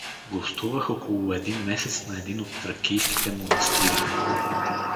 гостувах около един месец на един от тракийските монастири.